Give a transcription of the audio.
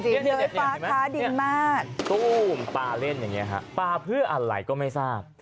เฮ้ยปลาค้าดินมากปลาเล่นอย่างเงี้ยครับปลาเพื่ออะไรก็ไม่ทราบ